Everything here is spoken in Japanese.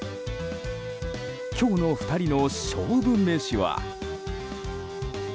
今日の２人の勝負メシは。